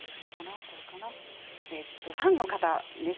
ファンの方です。